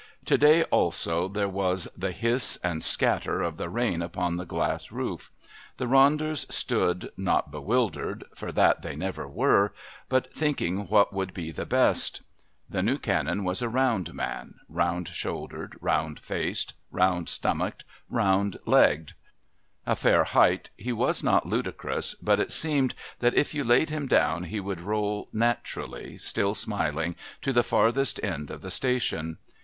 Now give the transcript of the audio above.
To day also there was the hiss and scatter of the rain upon the glass roof. The Ronders stood, not bewildered, for that they never were, but thinking what would be best. The new Canon was a round man, round shouldered, round faced, round stomached, round legged. A fair height, he was not ludicrous, but it seemed that if you laid him down he would roll naturally, still smiling, to the farthest end of the station.